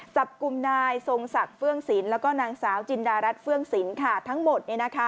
จับกลุ่มนายทรงศักดิ์เฟื่องศิลปแล้วก็นางสาวจินดารัฐเฟื่องศิลป์ทั้งหมด